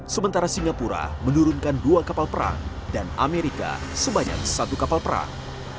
sementara singapura menurunkan dua kapal perang dan amerika sebanyak satu kapal perang